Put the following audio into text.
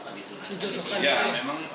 kaitannya yang apa gitu